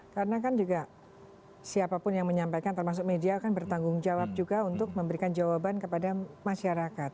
karena kan juga siapapun yang menyampaikan termasuk media kan bertanggung jawab juga untuk memberikan jawaban kepada masyarakat